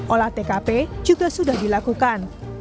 olah tkp juga sudah dilakukan